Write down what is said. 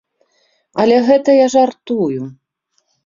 Але гэта я жартую!